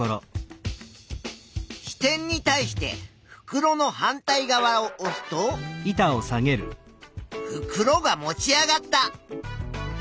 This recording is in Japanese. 支点に対してふくろの反対側をおすとふくろが持ち上がった。